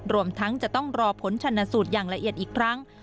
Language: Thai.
รวมทั้งจะต้องรอผลชนสูตรอย่างละเอียดอีกครั้ง